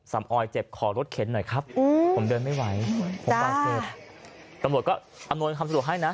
สำออยเจ็บขอรถเข็นหน่อยครับผมเดินไม่ไหวจ้าตำลดก็อำนวณคำสะดวกให้น่ะ